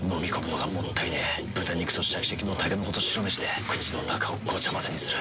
豚肉とシャキシャキのたけのこと白めしで口の中をごちゃ混ぜにする。